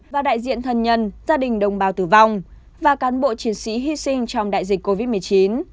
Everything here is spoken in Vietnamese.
và đại diện thân nhân gia đình đồng bào tử vong và cán bộ chiến sĩ hy sinh trong đại dịch covid một mươi chín